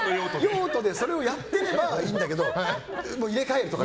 用途でそれをやってればいいんだけど入れ替えるとか。